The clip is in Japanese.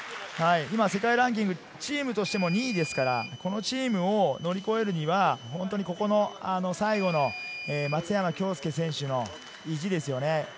世界ランキング、チームとしても今、２位ですから、このチームを乗り越えるには、本当に最後の松山恭助選手の意地ですよね。